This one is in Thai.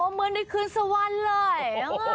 เหมือนในคืนสวรรค์เลย